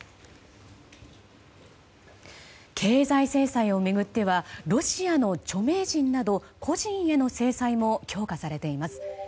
経済制裁を巡ってはロシアの著名人など個人への制裁も強化されています。